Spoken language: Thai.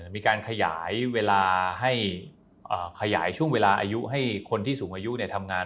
มีการขยายเวลาให้ขยายช่วงเวลาอายุให้คนที่สูงอายุทำงาน